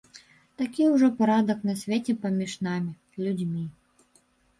Такі ўжо парадак на свеце паміж намі, людзьмі.